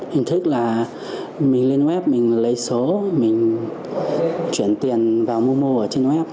hình thức là mình lên web mình lấy số mình chuyển tiền vào mô mô trên web